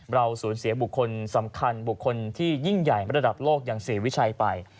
เราสูญเสียบุคคลสำคัญบุคคลที่ยิ่งใหญ่ระดับโลกอย่างศรีวิชัยไป